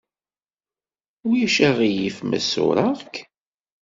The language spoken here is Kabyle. Ulac aɣilif ma ṣewwreɣ-k?